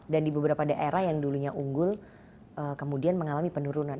dan di beberapa daerah yang dulunya unggul kemudian mengalami penurunan